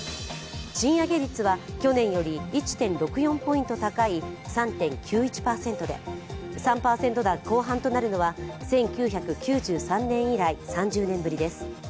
賃上げ率は去年より１．６４ポイント高い３．９１％で３％台後半となるのは１９９３年以来３０年ぶりです。